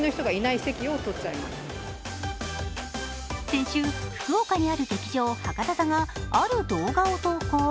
先週、福岡にある劇場博多座がある動画を投稿。